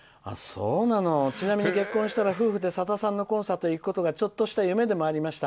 ちなみに結婚したら夫婦で、さださんのコンサートに行くことがちょっとした夢でもありました。